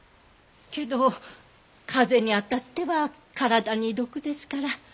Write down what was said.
けど風に当たっては体に毒ですから。